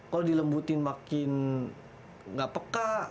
kalau dilembutin makin nggak peka